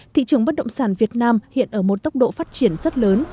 thị trường bất động sản việt nam hiện ở một tốc độ phát triển rất lớn